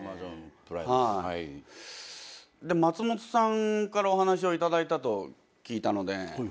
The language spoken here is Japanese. で松本さんからお話を頂いたと聞いたので。